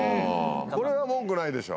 これは文句ないでしょ？